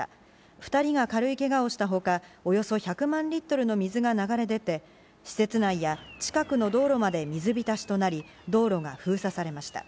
２人が軽いけがをしたほか、およそ１００万リットルの水が流れ出て施設内や近くの道路まで水浸しとなり、道路が封鎖されました。